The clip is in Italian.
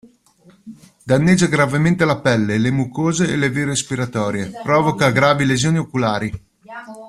Danneggia gravemente la pelle, le mucose e le vie respiratorie; provoca gravi lesioni oculari.